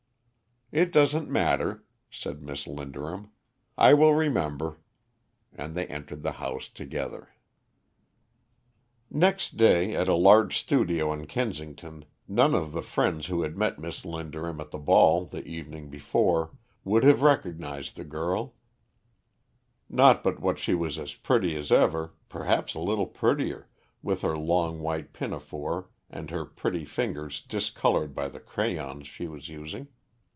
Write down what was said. "It doesn't matter," said Miss Linderham; "I will remember," and they entered the house together. Next day, at a large studio in Kensington, none of the friends who had met Miss Linderham at the ball the evening before would have recognised the girl; not but what she was as pretty as ever, perhaps a little prettier, with her long white pinafore and her pretty fingers discoloured by the crayons she was using.